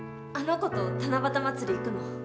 あの子と七夕祭り行くの？